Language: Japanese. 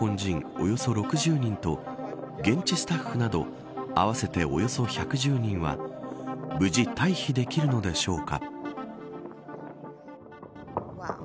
およそ６０人と現地スタッフなど合わせておよそ１１０人は無事退避できるのでしょうか。